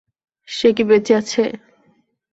সে কি বেঁচে আছে?